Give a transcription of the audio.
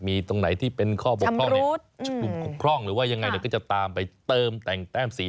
มีตรงไหนที่เป็นข้อบกล้องหรือยังไงก็จะตามไปเติมแต่งแต้มสี